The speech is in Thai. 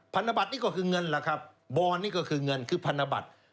พันธบัตรนี่ก็คือเงินล่ะครับบอนนี่ก็คือเงินคือพันธบัตร